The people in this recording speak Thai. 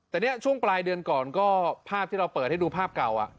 แต่เนี่ยช่วงปลายเดือนก่อนก็ภาพที่เราเปิดให้ดูภาพเก่า